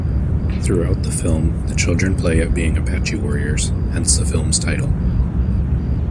Throughout the film the children play at being "Apache warriors", hence the film's title.